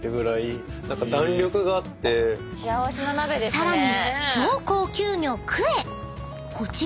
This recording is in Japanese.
［さらに］